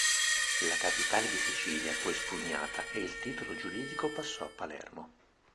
La capitale di Sicilia fu espugnata e il titolo giuridico passò a Palermo.